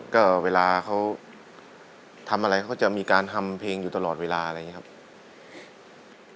ก็เวลาเขาทำอะไรเขาจะมีการทำเพลงอยู่ตลอดเวลาอะไรอย่างนี้ครับ